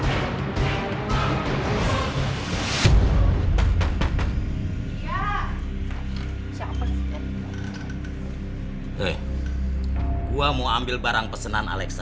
hei gua mau ambil barang pesenan alexa